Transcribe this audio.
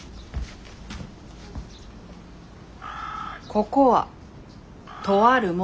ここはとある森。